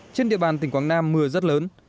trên địa bàn tỉnh quảng nam mưa rất lớn